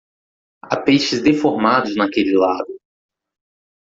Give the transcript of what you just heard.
Há peixes deformados naquele lago.